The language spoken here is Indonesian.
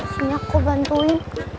sini aku bantuin